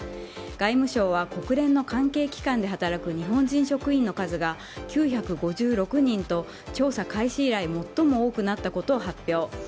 外務省は国連の関係機関で働く日本人職員の数が９５６人と調査開始以来最も多くなったことを発表。